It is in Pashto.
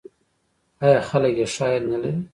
آیا خلک یې ښه عاید نلري؟